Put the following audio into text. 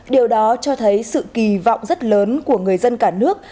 điều đó cho thấy sự kỳ vọng rất lớn của người dân cả nước